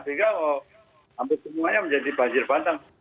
sehingga hampir semuanya menjadi banjir bandang